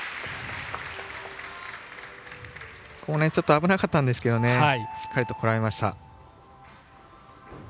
ちょっと危なかったんですけどしっかり、こらえました。